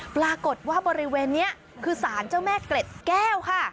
ปรากฏว่าบริเวณนี้คือสารเจ้าแม่เกล็ดแก้วค่ะ